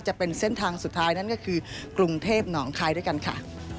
จะเป็นเส้นทางสุดท้ายนั่นก็คือกรุงเทพหนองคายด้วยกันค่ะ